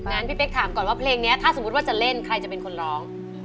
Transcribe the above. งั้นพี่เป๊กถามก่อนว่าเพลงนี้ถ้าสมมุติว่าจะเล่นใครจะเป็นคนร้อง